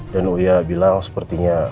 dan uya bilang sepertinya